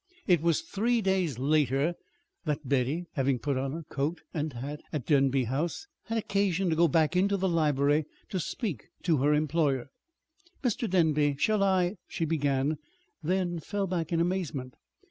It was three days later that Betty, having put on her hat and coat at Denby House, had occasion to go back into the library to speak to her employer. "Mr. Denby, shall I " she began; then fell back in amazement.